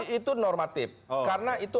itu normatif karena itu